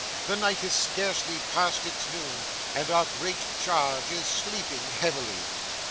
The night is scarcely past its noon, and our great charge is sleeping heavily.